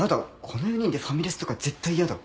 この４人でファミレスとか絶対やだ。